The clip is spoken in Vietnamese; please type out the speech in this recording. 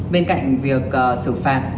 bên cạnh việc xử phạt